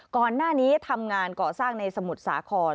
ก่อนหน้านี้ทำงานก่อสร้างในสมุทรสาคร